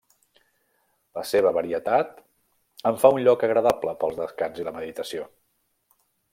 La seva varietat en fa un lloc agradable pel descans i la meditació.